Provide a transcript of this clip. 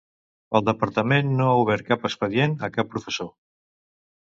El departament no ha obert cap expedient a cap professor.